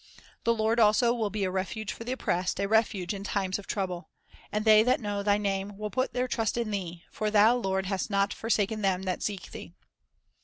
"" "The Lord also will be a refuge for the oppressed, a refuge in times of trouble. And they that know Thy name will put their trust in Thee; for Thou, Lord, hast not forsaken them that seek Thee."